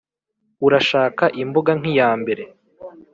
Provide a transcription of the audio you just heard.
urashaka imbuga nk'iyambere